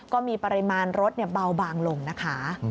ก็มีปริมาณรถเบาบางลงนะคะ